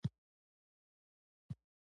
باد د سهار تازه والی راولي